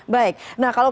baik nah kalau